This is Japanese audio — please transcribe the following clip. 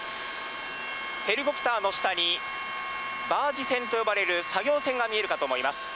ヘリコプターの下にバージ船と呼ばれる作業船が見えるかと思います。